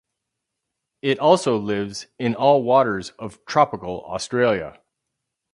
It also lives in all waters of tropical Australia.